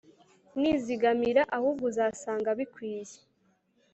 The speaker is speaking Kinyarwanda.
Nizigamira ahubwo Uzansanga abikwiye